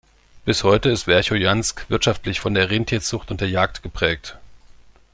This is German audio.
Bis heute ist Werchojansk wirtschaftlich von der Rentierzucht und der Jagd geprägt.